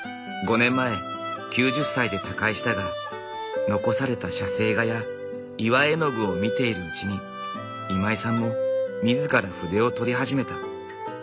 ５年前９０歳で他界したが残された写生画や岩絵の具を見ているうちに今井さんも自ら筆をとり始めた。